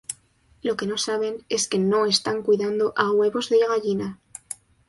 Lo que no saben es que no están cuidando a huevos de gallina.